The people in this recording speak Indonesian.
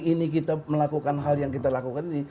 ini kita melakukan hal yang kita lakukan ini